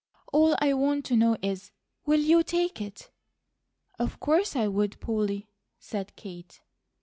All I want to know is, WILL YOU TAKE IT?" "Of course I would, Polly," said Kate.